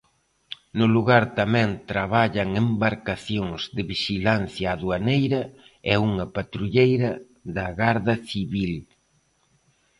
No lugar tamén traballan embarcacións de Vixilancia Aduaneira e unha patrulleira da Garda Civil.